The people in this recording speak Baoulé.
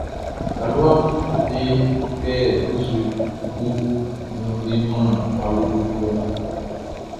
Taluaʼm be kpɛ nzue gboʼn nun be man awlobofuɛ mun.